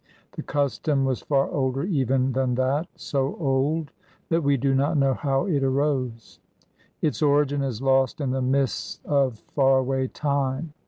The custom was far older even than that so old that we do not know how it arose. Its origin is lost in the mists of far away time.